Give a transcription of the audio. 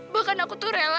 bahkan aku tuh rela